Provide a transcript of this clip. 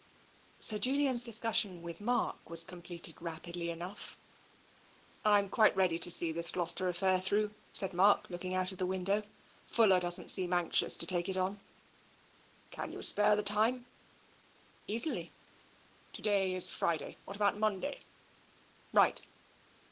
Sir Julian's discussion with Mark was completed rapidly enough. " Tm quite ready to see this Gloucester affair through," said Mark, looking out of the window. " Fuller doesn't seem anxious to take it on." Can you spare the time ?" Easily." "To day is Friday. What about Monday?" " Right."